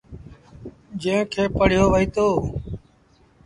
جݩهݩ کي پڙهيو وهيٚتو۔